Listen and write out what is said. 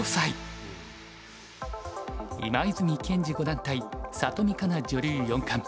今泉健司五段対里見香奈女流四冠。